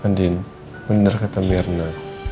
andin bener kata mirna